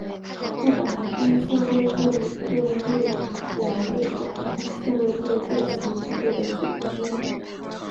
日本航空自卫队队列表列出航空自卫队各级部队的组织。